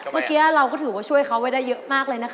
เมื่อกี้เราก็ถือว่าช่วยเขาไว้ได้เยอะมากเลยนะคะ